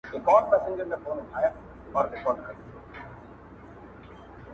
o د خالي توپکه دوه کسه بېرېږي.